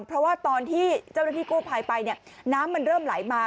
เพราะว่าตอนที่เจ้าหน้าที่กู้ภัยไปเนี่ยน้ำมันเริ่มไหลมา